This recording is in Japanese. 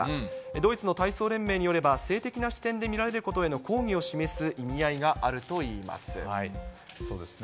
ドイツの体操連盟によれば、性的な視点で見られることへの抗議を示す意味合いがあるといいまそうですね。